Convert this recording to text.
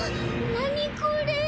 何これ？